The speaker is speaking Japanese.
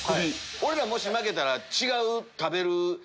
俺らもし負けたら。